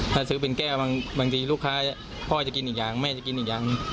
ถ้าซื้อเป็นแก้วบางทีลูกค้าพ่อจะกินอีกอย่างแม่จะกินอีกอย่าง